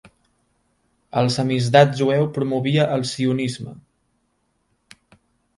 El samizdat jueu promovia el sionisme.